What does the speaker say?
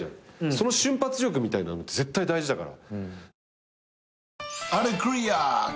その瞬発力みたいなのって絶対大事だから。